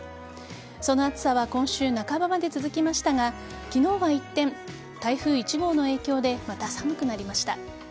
その暑さは今週半ばまで続きましたが昨日は一転台風１号の影響でまた寒くなりました。